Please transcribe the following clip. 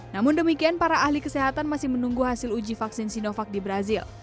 namun demikian para ahli kesehatan masih menunggu hasil uji vaksin sinovac di brazil